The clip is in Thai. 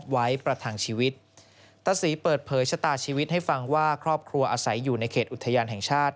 วิชาตาชีวิตให้ฟังว่าครอบครัวอาศัยอยู่ในเขตอุทยานแห่งชาติ